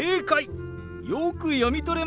よく読み取れました！